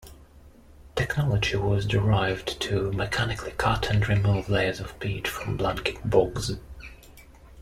Technology was derived to mechanically cut and remove layers of peat from blanket bogs.